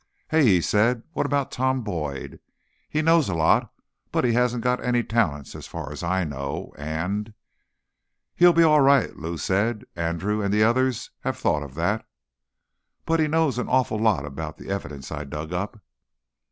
"Hey," he said. "What about Tom Boyd? He knows a lot but he hasn't got any talents, as far as I know, and—" "He'll be all right," Lou said. "Andrew and the others have thought of that." "But he knows an awful lot about the evidence I dug up."